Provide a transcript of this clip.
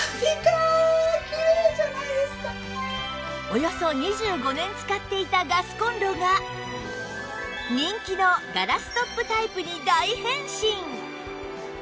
およそ２５年使っていたガスコンロが人気のガラストップタイプに大変身